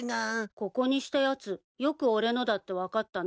ここにしたやつよく俺のだって分かったな。